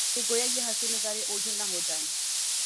کہ گو یا یہ حسین نظارے اوجھل نہ ہو جائیں